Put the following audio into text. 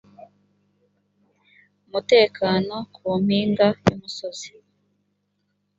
mutekano ku mpinga y umusozi